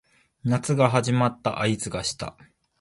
夏が始まった合図がした